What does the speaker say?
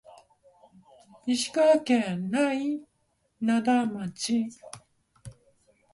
石川県内灘町